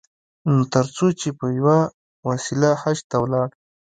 تر څو چې په یوه وسیله حج ته ولاړ.